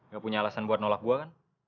gak punya alasan buat nolak gue kan